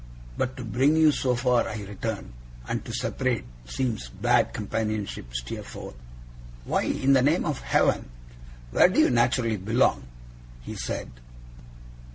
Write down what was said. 'But to bring you so far,' I returned, 'and to separate, seems bad companionship, Steerforth.' 'Why, in the name of Heaven, where do you naturally belong?' he said.